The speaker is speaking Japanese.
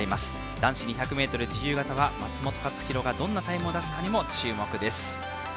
男子１００ｍ自由形は松元克央がどんなタイムを出すかも注目です。